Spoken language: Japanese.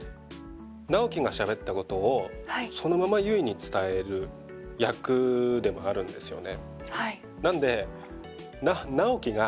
直木がしゃべったことをそのまま悠依に伝える役でもあるんですよね